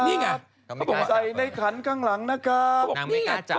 เขาบอกว่าใส่ในขันข้างหลังนะครับ